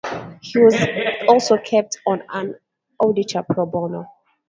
He was also kept on as auditor "pro bono".